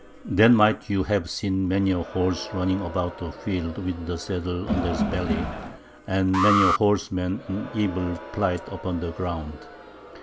Then might you have seen many a horse running about the field with the saddle under his belly, and many a horseman in evil plight upon the ground.